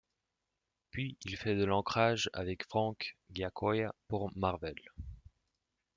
Puis il fait de l'encrage avec Frank Giacoia pour Marvel.